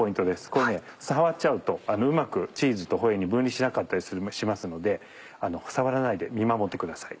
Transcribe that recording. これ触っちゃうとうまくチーズとホエーに分離しなかったりしますので触らないで見守ってください。